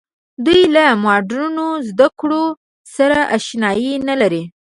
دوی له مډرنو زده کړو سره اشنايي نه لري.